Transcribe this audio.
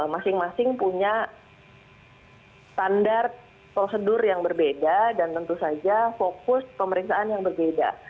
masing masing punya standar prosedur yang berbeda dan tentu saja fokus pemeriksaan yang berbeda